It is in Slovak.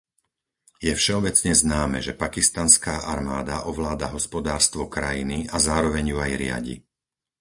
Je všeobecne známe, že pakistanská armáda ovláda hospodárstvo krajiny a zároveň ju aj riadi.